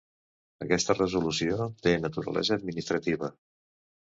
Aquesta resolució té naturalesa administrativa.